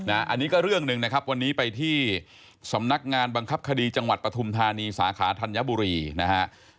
อันนี้ก็เรื่องหนึ่งนะครับวันนี้ไปที่สำนักงานบังคับคดีจังหวัดปฐุมธานีสาขาธัญบุรีนะฮะ